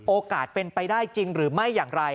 โอกาสเป็นไปได้จริงหรือไม่อย่างไร